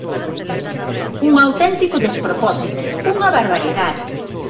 ¡Un auténtico despropósito!, ¡unha barbaridade!